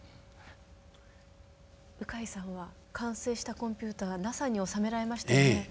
鵜飼さんは完成したコンピューターＮＡＳＡに納められましたね。